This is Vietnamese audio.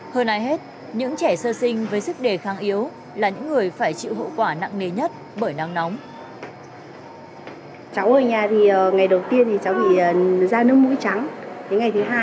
hơn ai hết những trẻ sơ sinh với sức đề kháng yếu là những người phải chịu hậu quả nặng nề nhất bởi nắng nóng